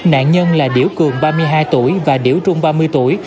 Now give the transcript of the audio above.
nạn nhân là điểu cường ba mươi hai tuổi và điểu trung ba mươi tuổi